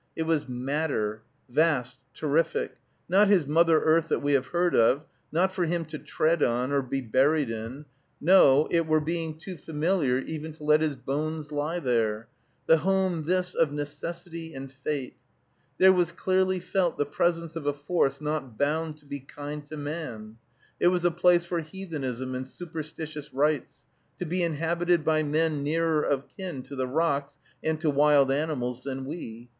It was Matter, vast, terrific, not his Mother Earth that we have heard of, not for him to tread on, or be buried in, no, it were being too familiar even to let his bones lie there, the home, this, of Necessity and Fate. There was clearly felt the presence of a force not bound to be kind to man. It was a place for heathenism and superstitious rites, to be inhabited by men nearer of kin to the rocks and to wild animals than we.